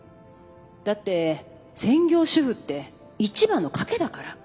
だって専業主婦って一番の賭けだから。